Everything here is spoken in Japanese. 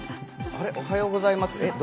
おはようございます。